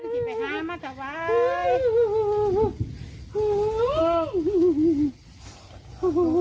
อ้าวอ้าวล้ามาข่าวไหว